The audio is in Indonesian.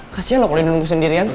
kasian loh kalau di nunggu sendirian